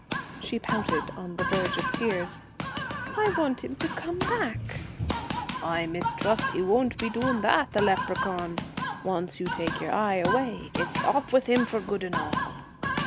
She pouted, on the verge of tears. 'I want him to come back.' 'I mistrust he won't be doing that, the leprechaun. Once you take your eye away, it's off with him for good and all.'